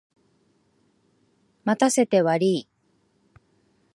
待たせてわりい。